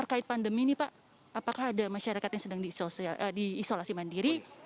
terkait pandemi ini pak apakah ada masyarakat yang sedang diisolasi mandiri